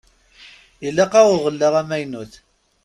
Ilaq-aɣ uɣella amaynut.